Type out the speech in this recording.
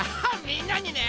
みんなにね